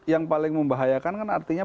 yang paling membahayakan kan artinya